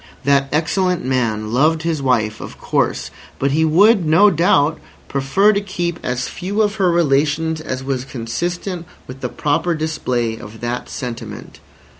That excellent man loved his wife, of course, but he would, no doubt, prefer to keep as few of her relations as was consistent with the proper display of that sentiment.